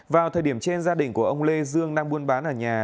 vào thời điểm trên gia đình của ông lê dương đang buôn bán ở nhà